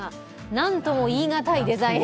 なんとも言いがたいデザイン。